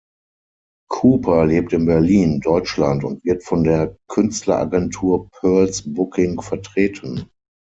Cooper lebt in Berlin, Deutschland und wird von der Künstleragentur Pearls Booking vertreten.